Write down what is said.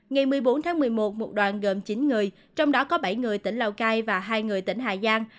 ngày một mươi bốn tháng một mươi một một đoàn gồm chín người trong đó có bảy người tỉnh lào cai và hai người tỉnh hà giang